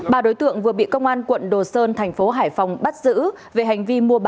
bà đối tượng vừa bị công an quận đồ sài gòn